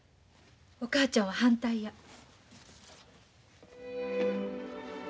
お母ちゃんは反対や。